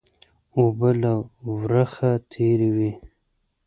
اوبه له ورخه تېرې وې